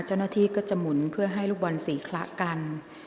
เจ้าหน้าที่ก็จะหมุนเพื่อให้ลูกบอลสีคละกัน